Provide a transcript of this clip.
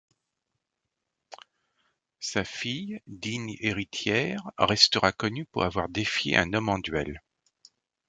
Sa fille, digne héritière, restera connue pour avoir défié un homme en duel.